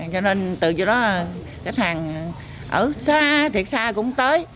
cho nên từ chỗ đó khách hàng ở xa thiệt xa cũng tới